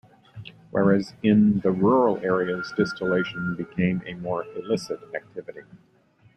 Whereas, in the rural areas distillation became a more illicit activity.